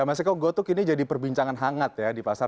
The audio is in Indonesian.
mas eko gotuk ini jadi perbincangan hangat di pasar